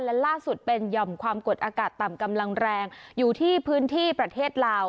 และล่าสุดเป็นหย่อมความกดอากาศต่ำกำลังแรงอยู่ที่พื้นที่ประเทศลาว